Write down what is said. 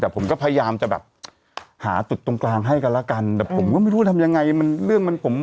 แต่ผมก็พยายามจะแบบหาจุดตรงกลางให้กันแล้วกันแต่ผมก็ไม่รู้ทำยังไงมันเรื่องมันผม